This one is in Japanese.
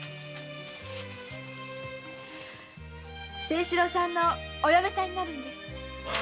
清四郎さんのお嫁さんになるんです。